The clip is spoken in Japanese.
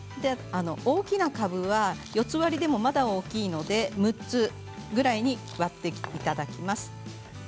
大きな株は４つ割りでもまだ大きいので６つぐらいに割っていただきます。